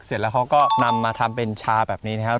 เสร็จแล้วเขาก็นำมาทำเป็นชาแบบนี้นะครับ